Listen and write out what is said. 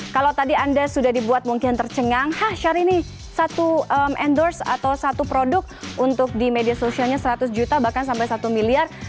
kalau tadi anda sudah dibuat mungkin tercengang hasyar ini satu endorse atau satu produk untuk di media sosialnya seratus juta bahkan sampai satu miliar